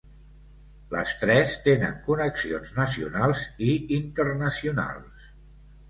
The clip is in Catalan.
Les tres tenen connexions nacionals i internacionals.